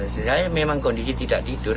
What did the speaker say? saya memang kondisi tidak tidur